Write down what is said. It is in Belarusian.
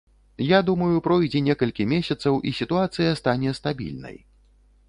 Я думаю, пройдзе некалькі месяцаў і сітуацыя стане стабільнай.